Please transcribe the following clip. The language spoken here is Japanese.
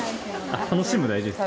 楽しむの大事ですか？